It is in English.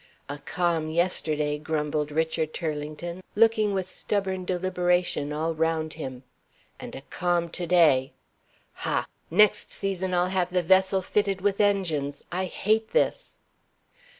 "A calm yesterday," grumbled Richard Turlington, looking with stubborn deliberation all round him. "And a calm to day. Ha! next season I'll have the vessel fitted with engines. I hate this!"